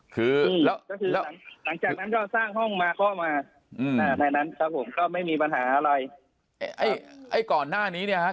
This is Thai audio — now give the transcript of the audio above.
หลังจากนั้นก็สร้างห้องมาเคาะมาในนั้นก็ไม่มีปัญหาอะไร